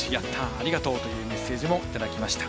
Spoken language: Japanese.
ありがとう！というメッセージもいただきました